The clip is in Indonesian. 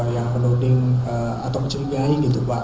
yang menuding atau mencurigai gitu pak